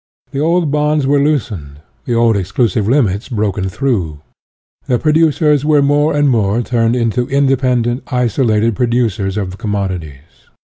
The old bonds were loosened, the old exclusive limits broken through, the producers were more and more turned into independent, isolated producers of commodities.